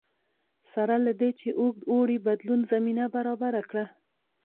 سره له دې چې اوږد اوړي بدلون زمینه برابره کړه